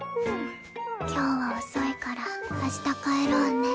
今日は遅いから明日帰ろうね。